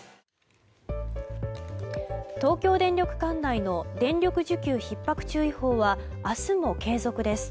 東京電力管内の電力需給ひっ迫注意報は明日も継続です。